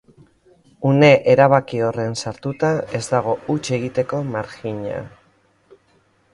Une erabakiorrean sartuta, ez dago huts egiteko marjina.